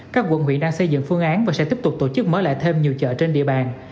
các quận huyện đang xây dựng phương án và sẽ tiếp tục tổ chức mở lại thêm nhiều chợ trên địa bàn